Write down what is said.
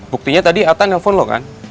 buktinya tadi atta nelfon loh kan